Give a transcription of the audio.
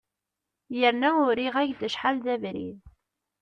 Yerna uriɣ-ak-d acḥal d abrid.